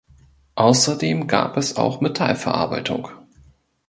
Außerdem gab es auch Metallverarbeitung.